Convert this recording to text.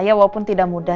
ya walaupun tidak mudah